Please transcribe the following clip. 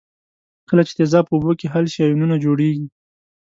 کله چې تیزاب په اوبو کې حل شي آیونونه جوړیږي.